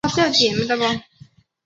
从此瑞典不再有能力与俄国争霸。